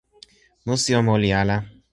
musi o moli ala.